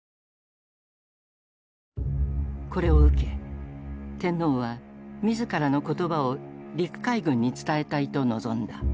これを受け天皇は自らの言葉を陸海軍に伝えたいと望んだ。